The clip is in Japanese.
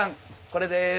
これです。